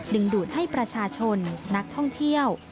ดูดให้ประชาชนนักท่องเที่ยว